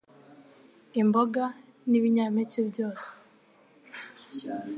imboga, ni binyampeke byose